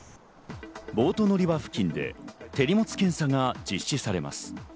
ボート乗り場付近で手荷物検査が実施されます。